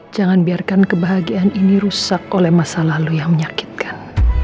jangan biarkan kebahagiaan ini rusak oleh masa lalu yang menyakitkan